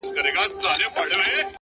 گراني انكار!!